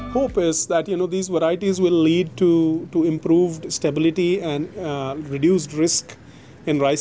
harapan adalah bahwa varietas ini akan membawa kembang ke stabilitas dan mengurangkan risiko untuk pembelian rait